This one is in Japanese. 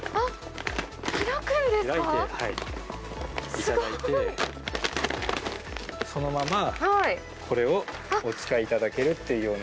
開いていただいて、そのまま、これをお使いいただけるというような。